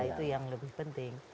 itu yang lebih penting